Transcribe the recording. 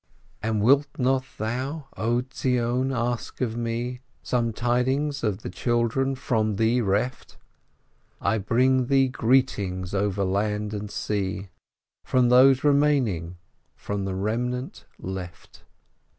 " And wilt not thou, 0 Zion, ask of me Some tidings of the children from thee reft? I bring thee greetings over land and sea, From those remaining — from the remnant left!